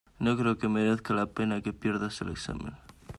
no creo que merezca la pena que pierdas el examen.